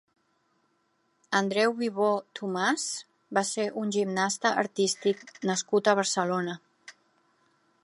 Andreu Vivó Tomàs va ser un gimnasta artístic nascut a Barcelona.